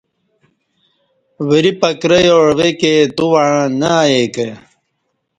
وری پکرہ یا عویکی تووعݩع نہ ائے کہ